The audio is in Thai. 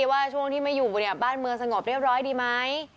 ว่าช่วงที่ไม่อยู่เนี่ยบ้านเมืองสงบเรียบร้อยดีไหม